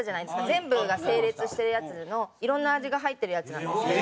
全部が整列してるやつの色んな味が入ってるやつなんですけど。